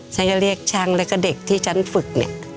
ฉันก็เรียกช่างและเด็กที่ฉันฝึก